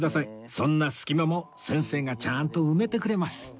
そんな隙間も先生がちゃんと埋めてくれます